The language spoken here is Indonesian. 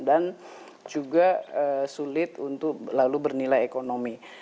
dan juga sulit untuk lalu bernilai ekonomi